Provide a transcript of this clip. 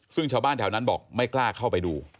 ซึ่งชาวบ้านแถวนั้นบอกไม่กล้าเข้าไปดู